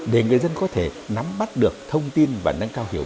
để người dân có thể nắm bắt được thông tin và nâng cao hiểu